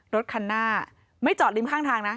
รถคันหน้าไม่จอดริมข้างทางนะ